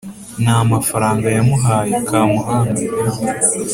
nta mafaranga yamuhaye.kamuhanda